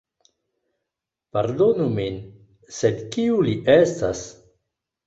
Pardonu min, sed kiu li estas?